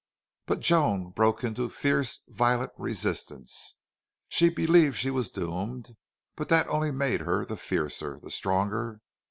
But Joan broke into fierce, violent resistance. She believed she was doomed, but that only made her the fiercer, the stronger.